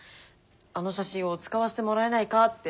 あの写真を使わせてもらえないかって。